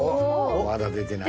まだ出てないな。